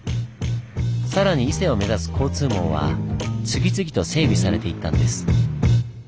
さらに伊勢を目指す交通網は次々と整備されていったんです。